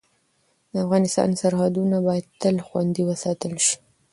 د افغانستان سرحدونه باید تل خوندي وساتل شي.